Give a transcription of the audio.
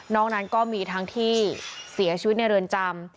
นั้นก็มีทั้งที่เสียชีวิตในเรือนจำ